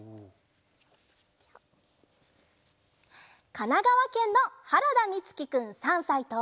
かながわけんのはらだみつきくん３さいと。